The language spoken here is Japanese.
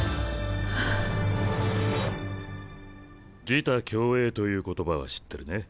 「自他共栄」という言葉は知ってるね？